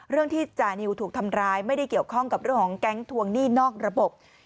เรื่องที่จานิวถูกทำร้ายไม่ได้เกี่ยวข้องกับเรื่องของแก๊งทวงหนี้นอกระบบ